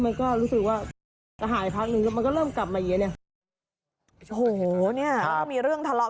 มันก็มีเรื่องทะเลาะ